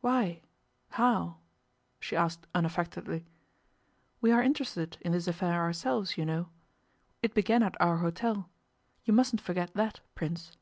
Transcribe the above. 'Why? How?' she asked unaffectedly. 'We are interested in this affair ourselves, you know. It began at our hotel you mustn't forget that, Prince.